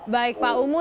baik pak omoh